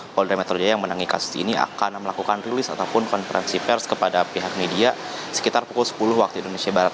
polda metro jaya yang menangi kasus ini akan melakukan rilis ataupun konferensi pers kepada pihak media sekitar pukul sepuluh waktu indonesia barat